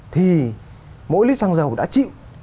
thì mỗi lít xăng dầu đã chịu